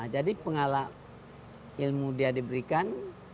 jadi pengalaman ilmu dia diberikan